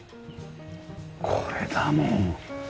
これだもん。